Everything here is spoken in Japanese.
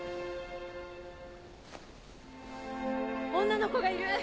女の子がいる！